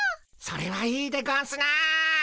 それはいいでゴンスな。